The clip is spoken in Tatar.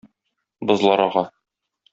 Бозлар ага...